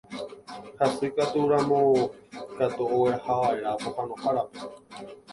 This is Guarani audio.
Hasykatúramo katu oguerahava'erã pohãnohárape.